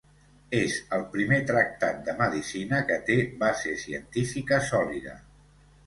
És el primer tractat de medicina que té base científica sòlida.